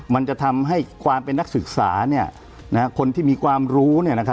มันจะทำให้ความเป็นนักศึกษาคนที่มีความรู้